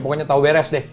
pokoknya tau beres deh